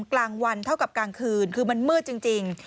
กลางวันเท่ากับกลางคืนคือมันมืดจริง